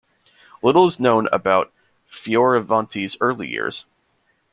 Little is known about Fioravanti's early years.